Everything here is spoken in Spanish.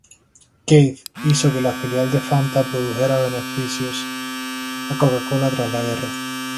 Keith hizo que la filial de Fanta produjera beneficios a Coca-Cola tras la guerra.